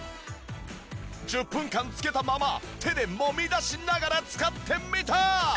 １０分間つけたまま手で揉み出しながら使ってみた。